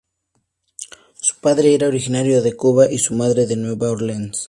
Su padre era originario de Cuba y su madre de Nueva Orleans.